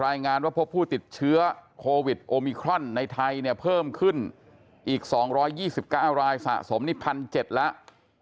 รายงานว่าพบผู้ติดเชื้อโควิดโอมิครอนในไทยเนี่ยเพิ่มขึ้นอีก๒๒๙รายสะสมนี่๑๗๐๐แล้ว